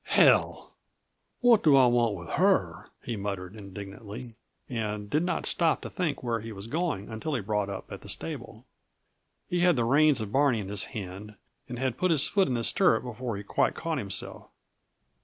"Hell! What do I want with her?" he muttered indignantly, and did not stop to think where he was going until he brought up at the stable. He had the reins of Barney in his hand, and had put his foot in the stirrup before he quite came to himself.